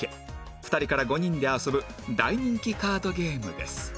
２人から５人で遊ぶ大人気カードゲームです